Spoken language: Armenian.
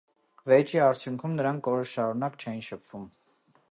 Վեճի արդյունքում նրանք օրեր շարունակ չէին շփվում։